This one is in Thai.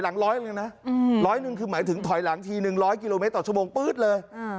หมายถึงถอยหลังที๑๐๐กิโลเมตรต่อชั่วโมงปื๊บเลย